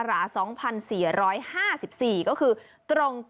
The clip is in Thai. ไม่รู้จัก